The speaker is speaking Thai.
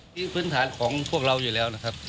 พื้นฐานของพวกเราอยู่แล้วนะครับ